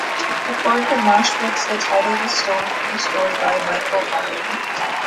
According to Maschwitz, the title was "stolen" from a story by Michael Arlen.